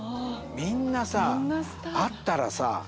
みんなさ会ったらさ